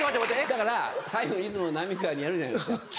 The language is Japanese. だから最後にいつも浪川にやるじゃないですか。